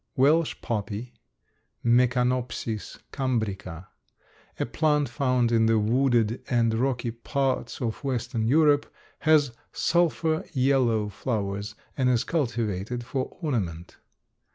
Welsh poppy (Mecanopsis cambrica), a plant found in the wooded and rocky parts of western Europe, has sulphur yellow flowers and is cultivated for ornament.